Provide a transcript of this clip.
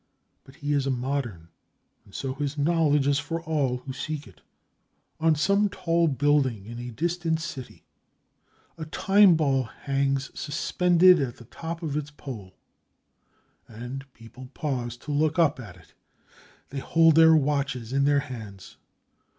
But he is a modern, and so his knowledge is for all who seek it. On some tall building in a distant city, a time ball hangs suspended at the top of its pole, and people pause to look up at it. They hold their watches in their hands.